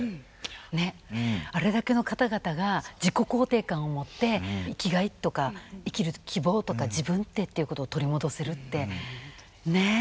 ねっあれだけの方々が自己肯定感を持って生きがいとか生きる希望とか自分ってっていうことを取り戻せるってねえ